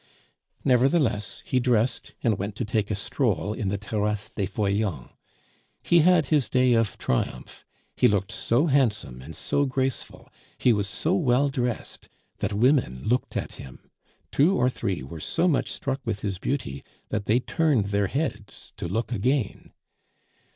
Nevertheless, he dressed and went to take a stroll in the Terrassee des Feuillants. He had his day of triumph. He looked so handsome and so graceful, he was so well dressed, that women looked at him; two or three were so much struck with his beauty, that they turned their heads to look again.